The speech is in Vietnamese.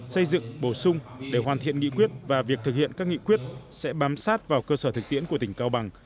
xây dựng bổ sung để hoàn thiện nghị quyết và việc thực hiện các nghị quyết sẽ bám sát vào cơ sở thực tiễn của tỉnh cao bằng